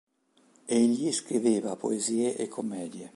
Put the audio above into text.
Egli scriveva poesie e commedie.